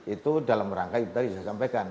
itu dalam rangka itu tadi saya sampaikan